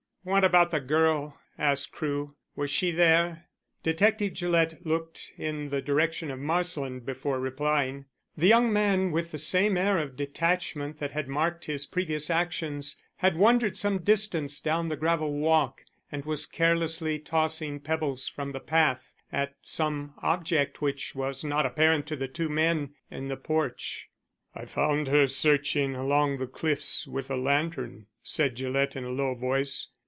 "What about the girl?" asked Crewe. "Was she there?" Detective Gillett looked in the direction of Marsland before replying. The young man, with the same air of detachment that had marked his previous actions, had wandered some distance down the gravel walk, and was carelessly tossing pebbles from the path at some object which was not apparent to the two men in the porch. "I found her searching along the cliffs with a lantern," said Gillett, in a low voice.